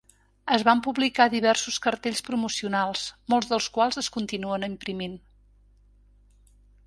Es van publicar diversos cartells promocionals, molts dels quals es continuen imprimint.